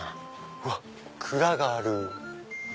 うわっ蔵がある。